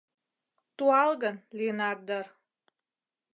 — Туалгын, лийынат дыр!